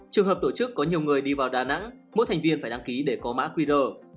trường hợp tổ chức có nhiều người đi vào đà nẵng mỗi thành viên phải đăng ký để có mã qr